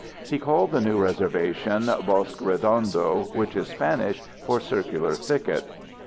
He called the new reservation Bosque Redondo, which is Spanish for circular thicket.